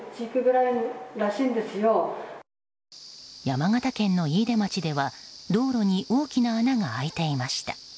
山形県の飯豊町では道路に大きな穴が開いていました。